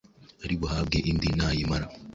ari buhabwe indi nayimara